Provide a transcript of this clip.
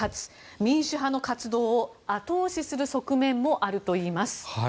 民主派の活動を後押しする側面もあるといいます。